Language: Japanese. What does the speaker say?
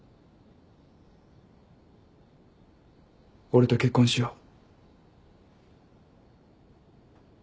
俺と結婚しよう。